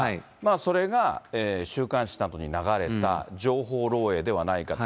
それが週刊誌などに流れた、情報漏えいではないかと。